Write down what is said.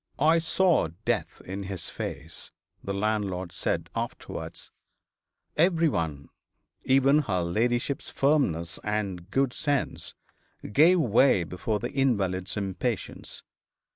'I saw death in his face,' the landlord said, afterwards. Every one, even her ladyship's firmness and good sense, gave way before the invalid's impatience.